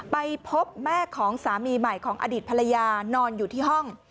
ไปพบแม่ของสามีใหม่ของอดีตภรรยานอนอยู่ที่ห้อง